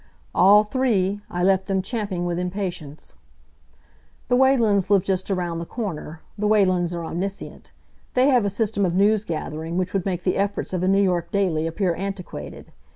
"All three. I left them champing with impatience." The Whalens live just around the corner. The Whalens are omniscient. They have a system of news gathering which would make the efforts of a New York daily appear antiquated.